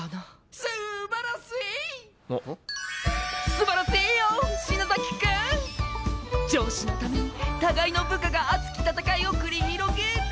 素晴らすぅいよ篠崎くん！上司のために互いの部下が熱き戦いを繰り広げる！